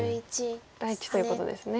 第一ということですね。